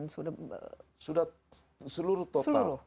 sudah seluruh total